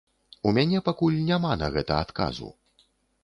У мяне пакуль няма на гэта адказу.